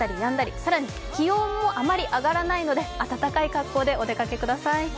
更に気温もあまり上がらないので暖かい格好でお出かけください。